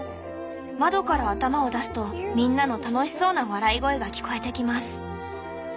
窓から頭を出すとみんなの楽しそうな笑い声が聞こえてきます」。